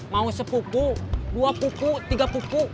mau sepupu dua pupu tiga pupu